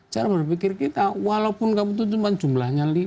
cara berpikir kita walaupun kamu itu cuma jumlahnya lima